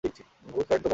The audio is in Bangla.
বহুত কারেন্ট তোমার।